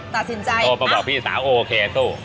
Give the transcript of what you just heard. ท่านสาวก็สอนรึอะคะ